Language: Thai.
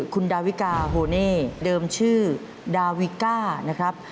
คุณดาวิกาโฮเน่เดิมชื่อดาวิก้านะครับ